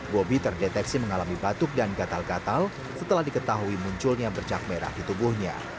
bobi terdeteksi mengalami batuk dan gatal gatal setelah diketahui munculnya bercak merah di tubuhnya